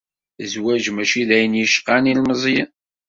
Zzwaǧ mačči d ayen yecqan ilmeẓyen.